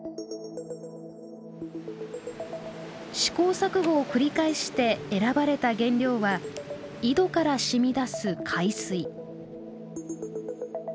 試行錯誤を繰り返して選ばれた原料は井戸からしみ出す海水。